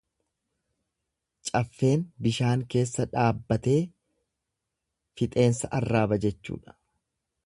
Caffeen bishaan keessa dhaabbatee fixeensa arraaba jechuudha.